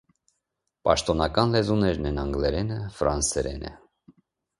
Պաշտոնական լեզուներն են անգլերենը, ֆրանսերենը։